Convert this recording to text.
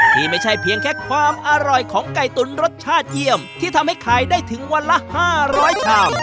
ที่ไม่ใช่เพียงแค่ความอร่อยของไก่ตุ๋นรสชาติเยี่ยมที่ทำให้ขายได้ถึงวันละ๕๐๐ชาม